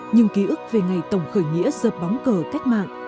nhưng ký ức về ngày tổng khởi nghĩa dợp bóng cờ cách mạng